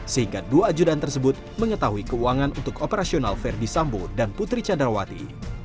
sehingga dua ajudan tersebut mengetahui keuangan untuk operasional verdi sambo dan putri candrawati